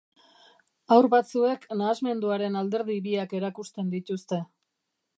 Haur batzuek nahasmenduaren alderdi biak erakusten dituzte.